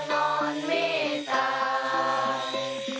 สวัสดีครับ